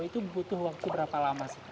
itu butuh waktu berapa lama sih